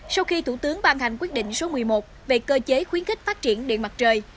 sau khi thủ tướng ban hành quyết định số một mươi một về cơ chế khuyến khích phát triển điện mặt trời